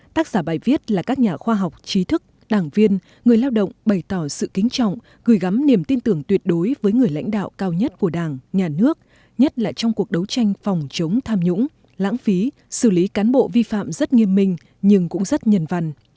tác giả bài viết là các nhà khoa học trí thức đảng viên người lao động bày tỏ sự kính trọng gửi gắm niềm tin tưởng tuyệt đối với người lãnh đạo cao nhất của đảng nhà nước nhất là trong cuộc đấu tranh phòng chống tham nhũng lãng phí xử lý cán bộ vi phạm rất nghiêm minh nhưng cũng rất nhân văn